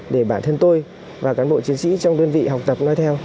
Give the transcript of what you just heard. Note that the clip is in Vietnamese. để bản thân tôi và cán bộ chiến sĩ trong đơn vị học tập nói theo